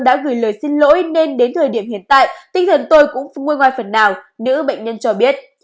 đã gửi lời xin lỗi nên đến thời điểm hiện tại tinh thần tôi cũng nguôi ngoài phần nào nữ bệnh nhân cho biết